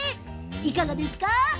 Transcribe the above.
いかがですか。